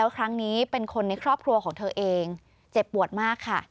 ครั้งนี้เป็นคนในครอบครัวของเธอเองเจ็บปวดมากค่ะ